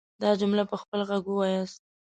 دا جملې په خپل غږ وواياست.